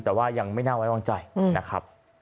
แต่ว่ายังไม่น่าไว้วางใจนะครับ